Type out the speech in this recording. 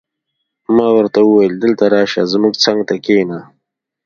ما ورته وویل: دلته راشه، زما څنګ ته کښېنه.